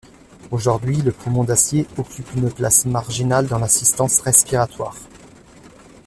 Aujourd'hui, le poumon d'acier occupe une place marginale dans l'assistance respiratoire.